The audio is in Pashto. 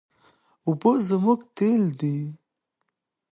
اوبه زموږ تېل دي.